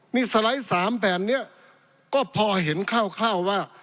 นี่สไลด์๓แผ่นนี้ก็พอเห็นคร่าวว่า